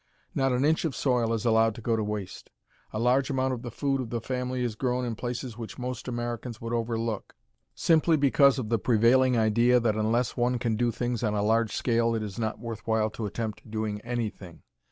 Not an inch of soil is allowed to go to waste. A large amount of the food of the family is grown in places which most Americans would overlook, simply because of the prevailing idea that unless one can do things on a large scale it is not worth while to attempt doing anything.